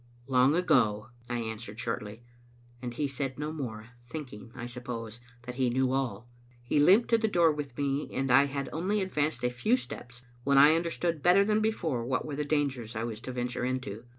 "Long ago," I answered shortly, and he said no more, thinking, I suppose, that he knew all. He limped to the door with me, and I had only advanced a few steps when I understood better than before what were the dangers I was to venture into.